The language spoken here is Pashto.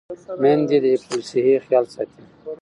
میندې د حفظ الصحې خیال ساتي.